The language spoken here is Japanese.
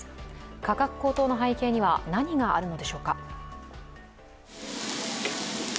価格高騰の背景には何があるのでしょうか。